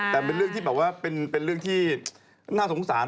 แต่เป็นเรื่องที่เป็นน่าสงสาร